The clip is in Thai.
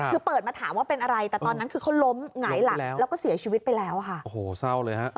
คือเปิดมาถามว่าเป็นอะไรแต่ตอนนั้นคือเขาล้มไหนล่ะแล้วก็เสียชีวิตไปแล้วค่ะ